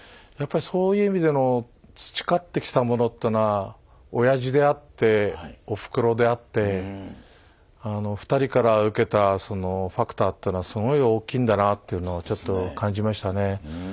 やっぱりそういう意味での培ってきたものってのはおやじであっておふくろであってあの２人から受けたそのファクターってのはすごい大きいんだなあっていうのをちょっと感じましたね。